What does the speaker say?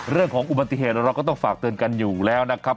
เรื่องของอุบัติเหตุเราก็ต้องฝากเตือนกันอยู่แล้วนะครับ